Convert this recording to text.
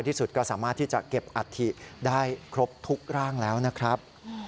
ที่สุดก็สามารถที่จะเก็บอัฐิได้ครบทุกร่างแล้วนะครับ